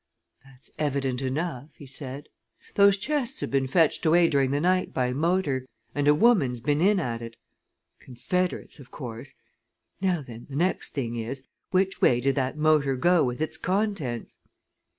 "That's evident enough," he said. "Those chests have been fetched away during the night, by motor, and a woman's been in at it! Confederates, of course. Now then, the next thing is, which way did that motor go with its contents?"